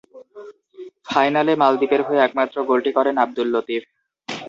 ফাইনালে মালদ্বীপের হয়ে একমাত্র গোলটি করেন আব্দুল লতিফ।